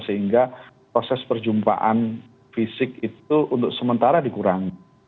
sehingga proses perjumpaan fisik itu untuk sementara dikurangi